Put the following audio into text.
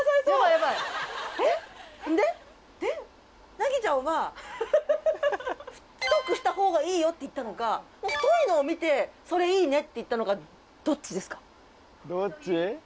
ナギちゃんは「太くしたほうがいいよ」って言ったのか太いのを見て「それいいね」って言ったのかどっちですか？